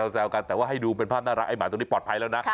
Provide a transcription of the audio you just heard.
แซวกันแต่ว่าให้ดูเป็นภาพน่ารักไอ้หมาตัวนี้ปลอดภัยแล้วนะ